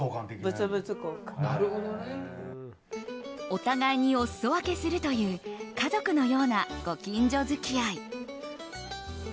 お互いにお裾分けするという家族のようなご近所付き合い。